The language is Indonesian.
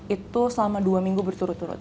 itu selama dua minggu berturut turut